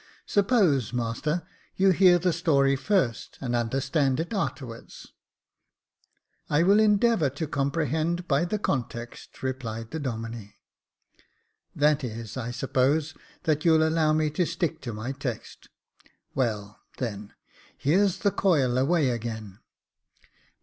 Suppose, master, you hear the story first, and understand it a'terwards ?"" I will endeavour to comprehend by the context," replied the Domine. " That is, I suppose, that you'll allow me to stick to my text. Well, then, here's coil away again.